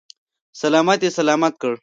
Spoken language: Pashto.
سلامت یې سلامت کړ.